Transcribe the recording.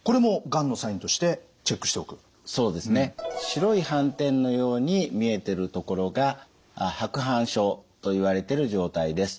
白い斑点のように見えてるところが白板症といわれてる状態です。